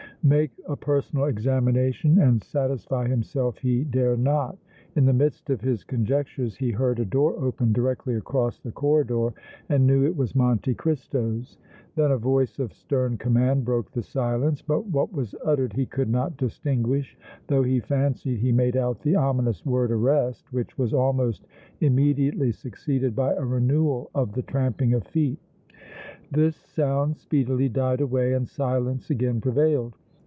Make a personal examination and satisfy himself he dare not. In the midst of his conjectures he heard a door open directly across the corridor and knew it was Monte Cristo's. Then a voice of stern command broke the silence, but what was uttered he could not distinguish, though he fancied he made out the ominous word "arrest," which was almost immediately succeeded by a renewal of the tramping of feet. This sound speedily died away and silence again prevailed.